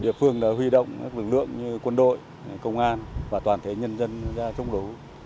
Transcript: địa phương đã huy động các lực lượng như quân đội công an và toàn thể nhân dân ra chống lũ